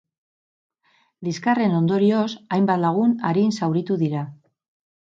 Liskarren ondorioz, hainbat lagun arin zauritu dira.